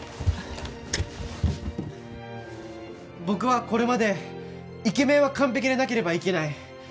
僕はこれまでイケメンは完璧でなければいけない。